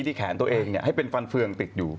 ที่แขนตัวเองให้เป็นฟันเฟืองติดอยู่